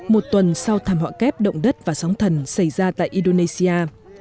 một tuần sau thảm họa kép động đất và sóng thần xảy ra tại indonesia